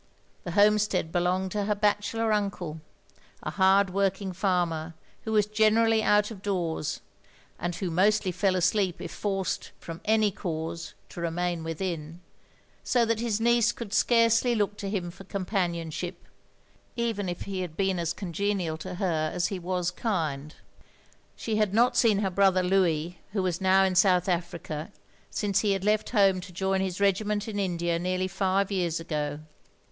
OF GROSVENOR SQUARE 7 The homestead belonged to her bachelor tmcle, a hard working farmer, who was generally out of doors, and who mostly fell asleep if forced, from any cause, to remain within; so that his niece could scarcely look to him for companionship, even if he had been as congenial to her as he was kind. She had not seen her brother Louis, who was now in South Africa, since he had left home to join his regiment in India, nearly five years ago.